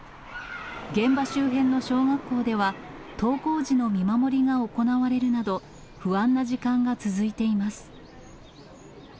現場周辺の小学校では、登校時の見守りが行われるなど、不安な時間が続いています。